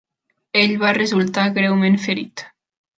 Ell va resultar greument ferit.